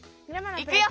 いくよ！